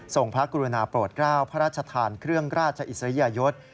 พระกรุณาโปรดกล้าวพระราชทานเครื่องราชอิสริยยศ